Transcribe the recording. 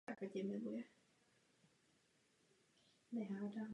Zdá se, že ji přehodnocujeme.